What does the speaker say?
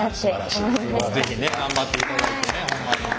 是非ね頑張っていただいてねホンマに。